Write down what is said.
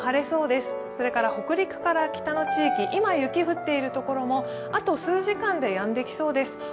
それから北陸から北の地域、今雪が降っているところもあと数時間でやみそうです。